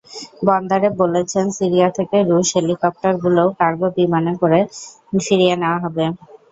বন্দারেভ বলেছেন, সিরিয়া থেকে রুশ হেলিকপ্টারগুলোও কার্গো বিমানে করে ফিরিয়ে নেওয়া হবে।